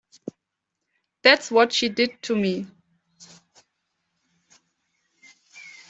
That's what she did to me.